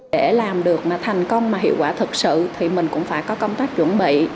để làm được mà thành công mà hiệu quả thực sự thì mình cũng phải có công tác chuẩn bị